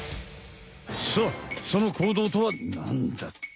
さあその行動とはなんだった？